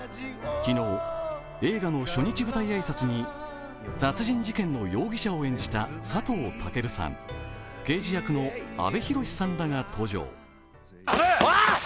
昨日、映画の初日舞台挨拶に殺人事件の容疑者を演じた佐藤健さん、刑事役の阿部寛さんらが登場。